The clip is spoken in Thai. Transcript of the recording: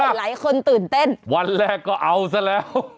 หลายคนตื่นเต้นวันแรกก็เอาซะแล้ว